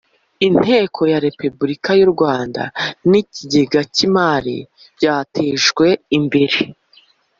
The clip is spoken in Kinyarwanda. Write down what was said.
inteko ya Repubulika y u Rwanda n Ikigega cy imari byatejwe imbere